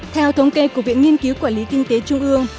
theo thống kê của viện nghiên cứu quản lý kinh tế trung ương